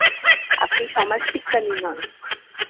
আপনি সমাজবিজ্ঞানী নন।